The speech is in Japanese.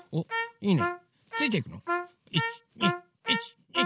いいね！